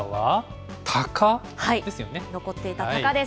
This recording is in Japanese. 残っていたタカです。